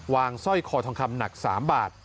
สร้อยคอทองคำหนัก๓บาท